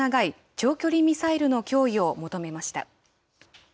長距離ミサイルの供与を求めました。